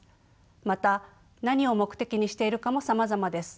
また何を目的にしているかもさまざまです。